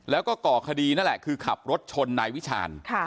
แล้วก็ก่อคดีนั่นแหละคือขับรถชนนายวิชาญ